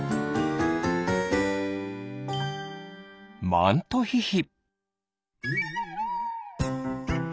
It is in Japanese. マントヒヒ。